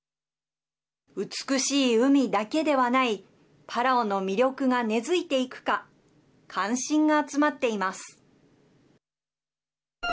美しい海だけではないパラオの魅力が根づいていくか関心が集まっています。